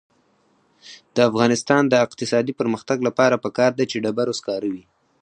د افغانستان د اقتصادي پرمختګ لپاره پکار ده چې ډبرو سکاره وي.